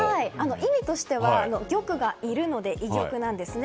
意味としては玉がいるので居玉なんですね。